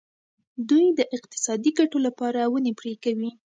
دوی د اقتصادي ګټو لپاره ونې پرې کوي.